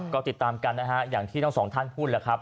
ก็ติดตามกันนะฮะอย่างที่ทั้งสองท่านพูดแล้วครับ